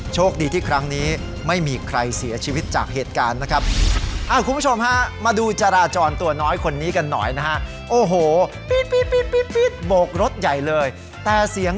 โชคดีที่ครั้งนี้ไม่มีใครเสียชีวิตจากเหตุการณ์นะครับ